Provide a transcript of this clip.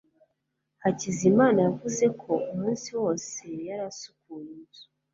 hakizimana yavuze ko umunsi wose yari asukuye inzu